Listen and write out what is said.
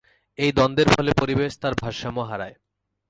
এই দ্বন্দের ফলে পরিবেশ তার ভারসাম্য হারায়।